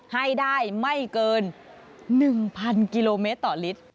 ให้ได้ไม่เกิน๑๐๐กิโลเมตรต่อลิตร